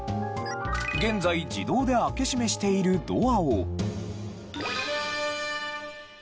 現在自動で開け閉めしているドアを。